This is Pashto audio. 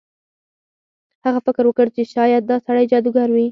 هغه فکر وکړ چې شاید دا سړی جادوګر وي.